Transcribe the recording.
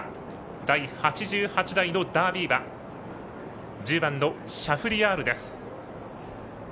第８８代のダービー馬１０番のシャフリヤールです。